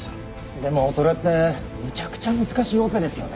でもそれってむちゃくちゃ難しいオペですよね。